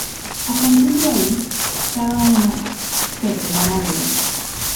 A partir de ahí, cada uno se vengará del otro.